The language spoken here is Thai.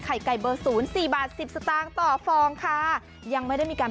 ไก่เบอร์ศูนย์สี่บาทสิบสตางค์ต่อฟองค่ะยังไม่ได้มีการ